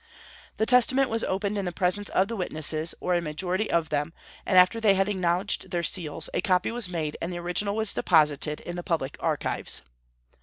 The testament was opened in the presence of the witnesses, or a majority of them; and after they had acknowledged their seals a copy was made, and the original was deposited in the public archives.